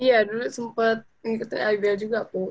iya dulu sempet ngikutin ibl juga puh